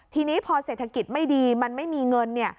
ทีนี้พอเศรษฐกิจไม่ดีมันไม่มีเงิน